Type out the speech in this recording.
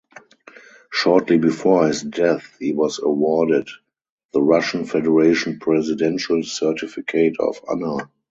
Shortly before his death he was awarded the Russian Federation Presidential Certificate of Honour.